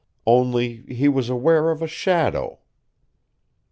Only he was aware of a shadow.